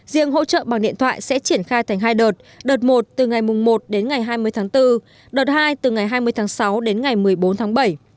riêng hỗ trợ bằng điện thoại sẽ triển khai thành hai đợt đợt một từ ngày một đến ngày hai mươi tháng bốn đợt hai từ ngày hai mươi tháng sáu đến ngày một mươi bốn tháng bảy